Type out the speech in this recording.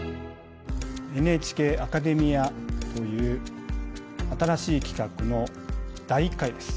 「ＮＨＫアカデミア」という新しい企画の第１回です。